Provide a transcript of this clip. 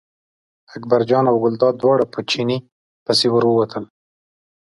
اکبرجان او ګلداد دواړه په چیني پسې ور ووتل.